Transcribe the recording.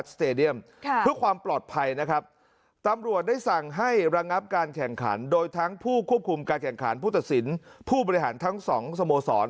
เพื่อความปลอดภัยนะครับตำรวจได้สั่งให้ระงับการแข่งขันโดยทั้งผู้ควบคุมการแข่งขันผู้ตัดสินผู้บริหารทั้งสองสโมสร